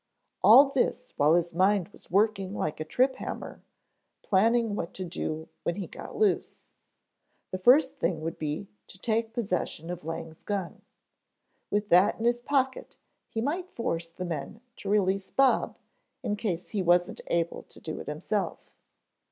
All this while his mind was working like a trip hammer planning what to do when he got loose. The first thing would be to take possession of Lang's gun. With that in his pocket he might force the men to release Bob in case he wasn't able to do it himself.